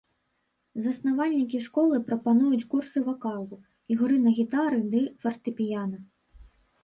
Заснавальнікі школы прапануюць курсы вакалу, ігры на гітары ды фартэпіяна.